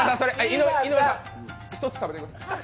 井上さん、１つ食べてください。